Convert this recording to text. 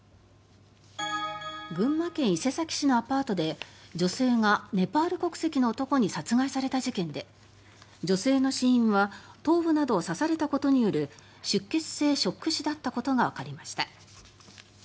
群馬県伊勢崎市のアパートで女性がネパール国籍の男に殺害された事件で女性の死因は頭部などを刺されたことによる出血性ショック死だったことがわかりました。